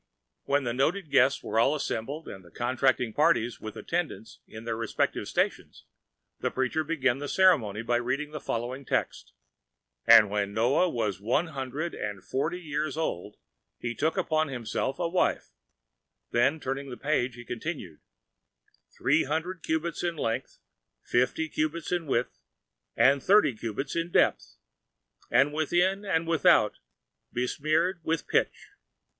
When the noted guests were all assembled and the contracting parties with attendants in their respective stations, the preacher began the ceremonies by reading the following text: "And when Noah was one hundred and forty years old, he took unto himself a wife" (then turning the page he continued) "three hundred cubits in length, fifty cubits in width, and thirty cubits in depth, and within and without besmeared with pitch."